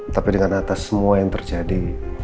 tapi dengan atas semua yang terjadi